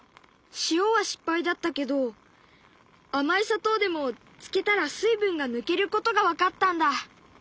塩は失敗だったけど甘い砂糖でもつけたら水分が抜けることが分かったんだ。